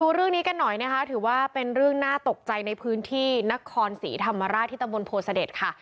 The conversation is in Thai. ดูเรื่องนี้กันหน่อยนะคะถือว่าเป็นเรื่องน่าตกใจในพื้นที่นครศรีธรรมราชที่ตำบลโพเสด็จค่ะ